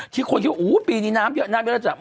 ที่คนคิดอู้วปีนี้น้ำเยอะมาก